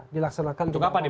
dilaksanakan juga gak apa apa